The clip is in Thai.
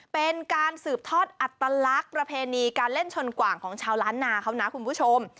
เป็นการสืบทอดอัตลักษณ์ประเพณีการเล่นชนกว่างของชาวล้านนาเขานะคุณผู้ชม